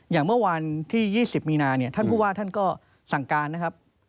อย่างเมื่อวันที่๒๐มีนาเนี่ยท่านผู้ว่าท่านก็สั่งการนะครับ